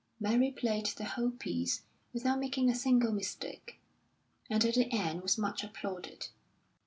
Mary played the whole piece without making a single mistake, and at the end was much applauded.